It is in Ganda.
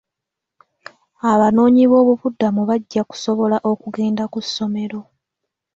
Abanoonyi b'obubudamu bajja kusobola okugenda ku ssomero.